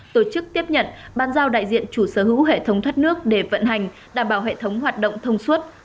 tổ chức tiếp nhận ban giao đại diện chủ sở hữu hệ thống thoát nước để vận hành đảm bảo hệ thống hoạt động thông suốt